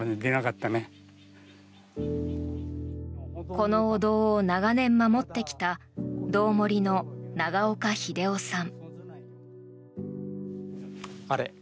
このお堂を長年守ってきた堂守の長岡英雄さん。